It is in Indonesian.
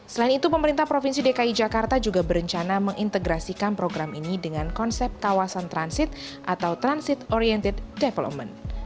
selain itu pemerintah provinsi dki jakarta juga berencana mengintegrasikan program ini dengan konsep kawasan transit atau transit oriented development